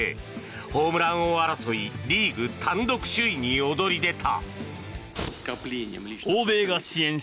ホームラン王争いリーグ単独首位に躍り出た。